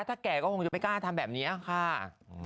ถ้าแก่ก็คงจะไม่กล้าทำแบบนี้ค่ะ